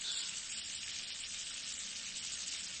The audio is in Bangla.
কখনো ওরা বিষটোপের শিকার হচ্ছে, আবার কখনো গুলি করে মারা হচ্ছে।